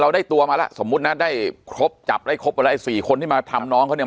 ได้ตัวมาแล้วสมมุตินะได้ครบจับได้ครบอะไรสี่คนที่มาทำน้องเขาเนี่ย